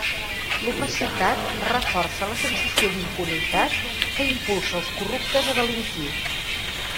L'opacitat reforça la sensació d'impunitat que impulsa els corruptes a delinquir.